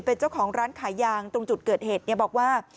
เป็นเจ้าของร้านขายยางตรงจุดเกิดเหตุบอกว่า